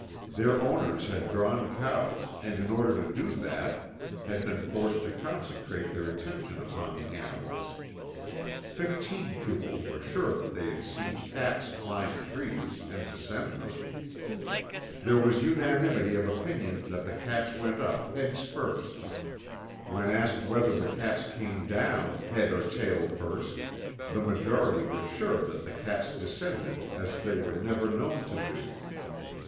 Their owners had drawn cows and in order to do that had been forced to concentrate their attention upon the animals. Fifteen pupils were sure that they had seen cats climb trees and descend them. There was unanimity of opinion that the cats went up heads first. When asked whether the cats came down head or tail first, the majority were sure that the cats descended as they were never known to do.